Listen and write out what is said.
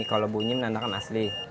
kalau bunyi menandakan asli